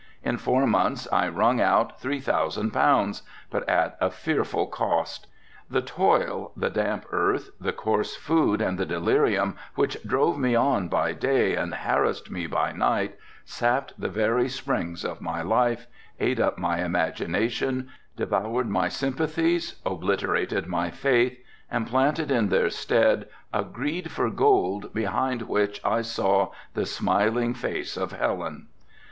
In four months I wrung out three thousand pounds, but at a fearful cost. The toil, the damp earth, the coarse food and the delirium which drove me on by day and harassed me by night, sapped the very springs of my life, ate up my imagination, devoured my sympathies, obliterated my faith, and planted in their stead a greed for gold behind which I saw the smiling face of Helen.